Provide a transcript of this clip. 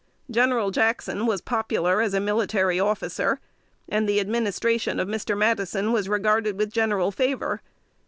General Jackson was popular as a military officer, and the Administration of Mr. Madison was regarded with general favor.